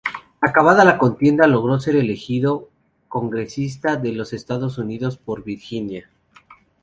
Acabada la contienda, logró ser elegido congresista de los Estados Unidos por Virginia.